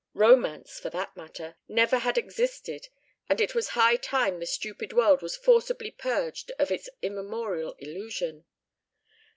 Romance, for that matter, never had existed and it was high time the stupid world was forcibly purged of its immemorial illusion.